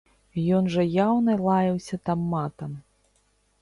Ён жа яўна лаяўся там матам!